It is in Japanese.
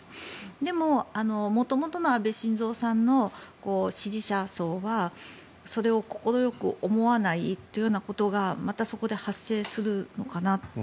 でも、もともとの安倍晋三さんの支持者層はそれを快く思わないということがまたそこで発生するのかなって。